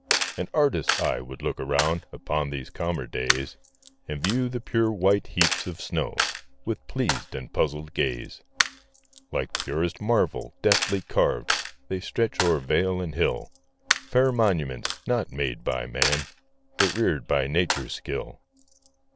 An artist's eye would look around, Upon these calmer days, And view the pure white heaps of snow, With pleas'd and puzzl'd gaze. Like purest marble, deftly carv'd, They stretch o'er vale and hill, Fair monuments, not made by man, But rear'd by nature's skill.